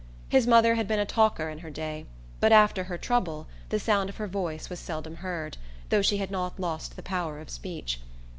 His mother had been a talker in her day, but after her "trouble" the sound of her voice was seldom heard, though she had not lost the power of speech.